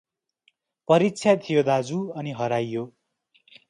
परीक्षा थियो दाजु अनि हराइयो।